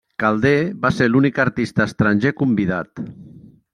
Calder va ser l'únic artista estranger convidat.